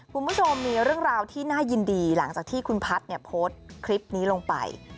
คุณผู้ชมมีเรื่องราวที่น่ายินดีหลังจากที่คุณพัฒน์เนี่ยโพสต์คลิปนี้ลงไป